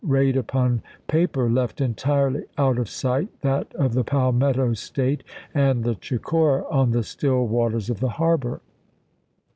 raid upon paper left entirely out of sight that of the Palmetto State and the Chicora on the still waters of the harbor.